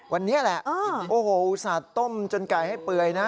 วันนี้แหละโอ้โฮสระต้มจนไก่ให้เปื่อยนะ